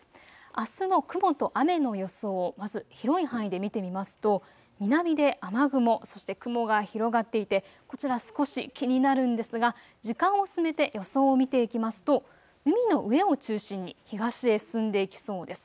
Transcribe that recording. あすの雲と雨の予想、まず広い範囲で見てみますと南で雨雲、そして雲が広がっていてこちら少し気になるんですが時間を進めて予想を見ていきますと海の上を中心に東へ進んでいきそうです。